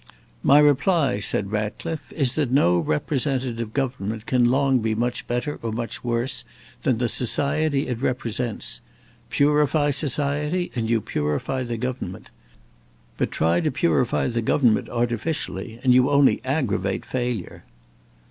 "My reply," said Ratcliffe, "is that no representative government can long be much better or much worse than the society it represents. Purify society and you purify the government. But try to purify the government artificially and you only aggravate failure."